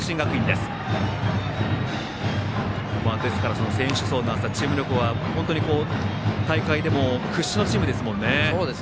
ですから、選手層の厚さチーム力は本当に大会でも屈指のチームですもんね。